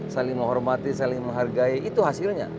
saling menghormati saling menghargai itu hasilnya